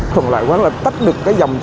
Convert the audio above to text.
thường loại quán là tách được cái dòng xe